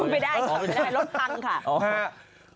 พูดไม่ได้รถทังค่ะ